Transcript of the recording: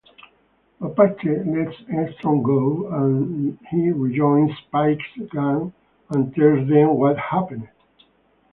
Mapache lets Engstrom go, and he rejoins Pike's gang and tells them what happened.